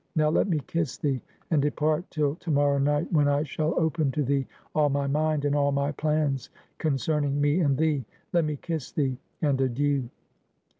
Now let me kiss thee and depart, till to morrow night; when I shall open to thee all my mind, and all my plans concerning me and thee. Let me kiss thee, and adieu!"